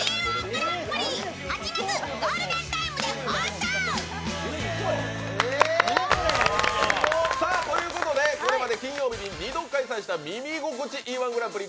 それはということでこれまで金曜日に２度開催した「耳心地いい−１グランプリ」